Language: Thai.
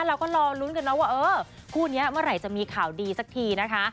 เราก็รอลุ้นกันนะว่าเออคู่นี้เมื่อไหร่จะมีข่าวดีสักทีนะคะ